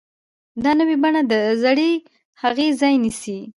دا نوې بڼه د زړې هغې ځای نیسي.